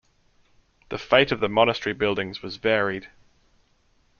The fate of the monastery buildings was varied.